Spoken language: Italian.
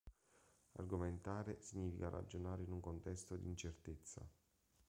Argomentare significa ragionare in un contesto di incertezza.